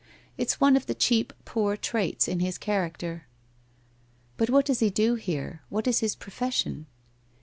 It's one of the cheap, poor traits in his character.' 'But what docs he do here? What is his profes sion